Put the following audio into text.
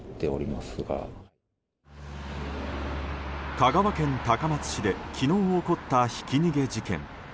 香川県高松市で昨日起こったひき逃げ事件。